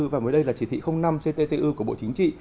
và mới đây là chỉ thị năm cttu của bộ chính trị